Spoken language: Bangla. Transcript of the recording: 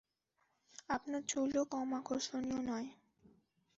আপনার চুলও কম আকর্ষনীয় নয়!